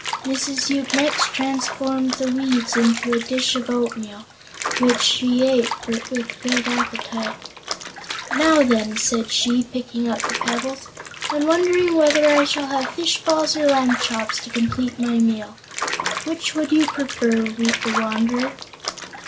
Mrs. Yoop next transformed the weeds into a dish of oatmeal, which she ate with good appetite. "Now, then," said she, picking up the pebbles. "I'm wondering whether I shall have fish balls or lamb chops to complete my meal. Which would you prefer, Woot the Wanderer?"